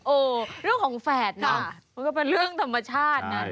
เรื่องของแฝดเนอะมันก็เป็นเรื่องธรรมชาตินะ